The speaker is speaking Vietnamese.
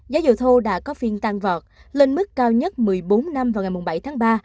giá dầu thô đã có phiên tăng vọt lên mức cao nhất một mươi bốn năm vào ngày bảy tháng ba